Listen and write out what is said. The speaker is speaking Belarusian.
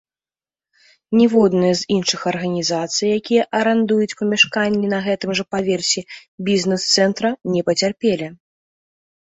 Ніводная з іншых арганізацый, якія арандуюць памяшканні на гэтым жа паверсе бізнэс-цэнтра, не пацярпелі.